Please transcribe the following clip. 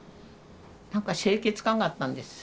何か清潔感があったんです。